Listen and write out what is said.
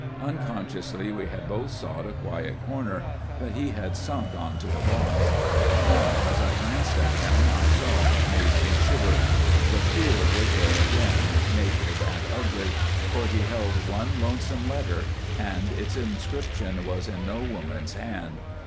Unconsciously we had both sought a quiet corner, but he had sunk on to a box. Now, as I glanced at him I saw what made me shiver. The Fear was there again naked and ugly for he held one lonesome letter, and its inscription was in no woman's hand.